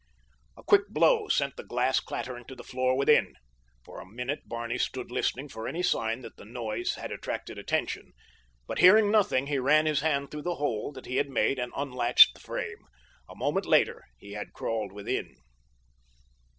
A quick blow sent the glass clattering to the floor within. For a minute Barney stood listening for any sign that the noise had attracted attention, but hearing nothing he ran his hand through the hole that he had made and unlatched the frame. A moment later he had crawled within.